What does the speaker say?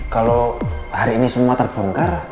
kalo hari ini semua terpengar